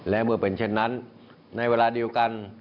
และเมื่อเป็นเช่นนั้นในเวลาเดียวกัน